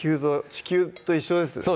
地球と一緒ですね